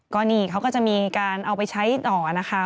ก็นี่เขาก็จะมีการเอาไปใช้ต่อนะคะ